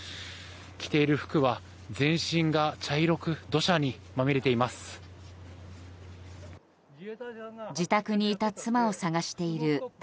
着ている服は全身が茶色く土砂にまみれています。